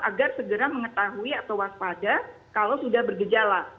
agar segera mengetahui atau waspada kalau sudah bergejala